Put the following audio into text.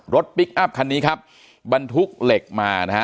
พลิกอัพคันนี้ครับบรรทุกเหล็กมานะฮะ